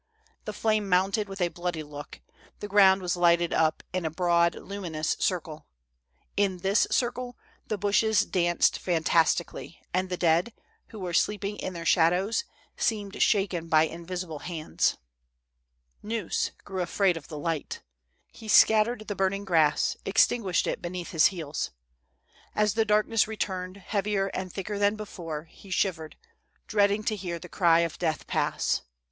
The flame mounted with a bloody look ; the ground was lighted up in a broad, luminous circle ; in this circle, the bushes danced fantastically, and thedead, who were sleeping in their shadows, seemed shaken by invisible hands. Gneuss grew afraid of the light. He scattered the burning grass, extinguished it beneath his heels. As THE soldiers' DREAMS. 281 t1ie darkness returned, heavier and thicker than before, lie shivered, dreading to hear the cry of death pass.